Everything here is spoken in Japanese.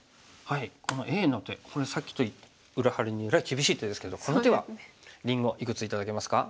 このＡの手これさっきと裏腹にえらい厳しい手ですけどこの手はりんごいくつ頂けますか？